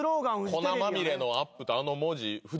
粉まみれのアップとあの文字。